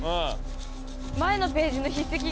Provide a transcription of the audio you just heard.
前のページの筆跡。